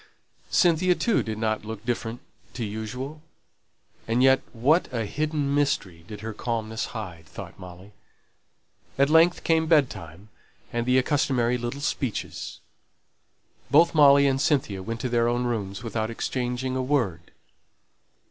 Cynthia too did not look different from usual. And yet what a hidden mystery did her calmness hide! thought Molly. At length came bed time, and the customary little speeches. Both Molly and Cynthia went to their own rooms without exchanging a word.